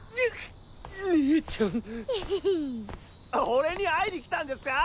俺に会いに来たんですか？